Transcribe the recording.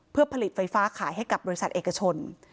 เพื่อผลิตไฟฟ้าขายให้กับบริษัทเอกชน